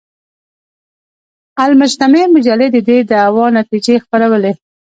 المجتمع مجلې د دې دعوې نتیجې خپرولې.